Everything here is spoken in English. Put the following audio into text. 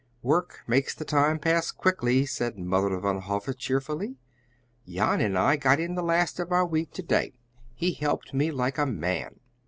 "Work makes the time pass quickly," said Mother Van Hove cheerfully. "Jan and I got in the last of our wheat to day. He helped me like a man."